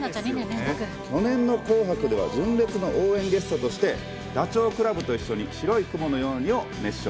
去年の紅白では純烈の応援ゲストとして、ダチョウ倶楽部と一緒に白い雲のようにを熱唱。